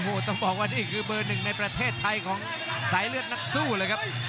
โอ้โหต้องบอกว่านี่คือเบอร์หนึ่งในประเทศไทยของสายเลือดนักสู้เลยครับ